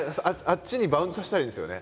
あっちにバウンドさせたらいいんですよね。